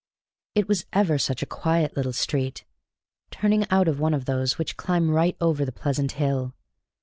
It was ever such a quiet little street, turning out of one of those which climb right over the pleasant hill.